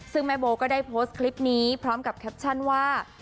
ซึ่งแม่โบก็ได้โพสต์คลิปนี้พร้อมกับแคปชั่นว่า